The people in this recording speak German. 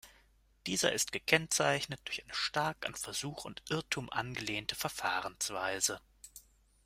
Dieser ist gekennzeichnet durch eine stark an Versuch und Irrtum angelehnte Verfahrensweise.